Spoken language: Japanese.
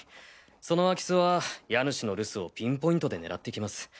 その空き巣は家主の留守をピンポイントで狙ってきます。